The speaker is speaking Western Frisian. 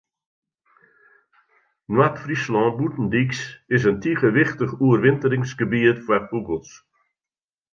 Noard-Fryslân Bûtendyks is in tige wichtich oerwinteringsgebiet foar fûgels.